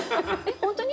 本当に？